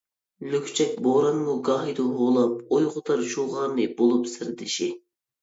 لۈكچەك بورانمۇ گاھىدا ھۇۋلاپ، ئويغىتار شۇ غارنى بولۇپ سىردىشى.